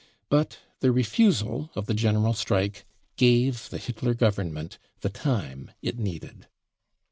But the refusal of the general strike gave the Hitler Government the time it needed.